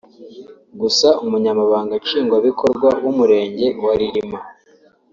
Gusa Umunyamabanga Nshingwabikorwa w’Umurenge wa Rilima